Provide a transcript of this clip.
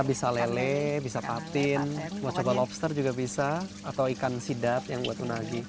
bisa lele bisa patin mau coba lobster juga bisa atau ikan sidap yang buat unagi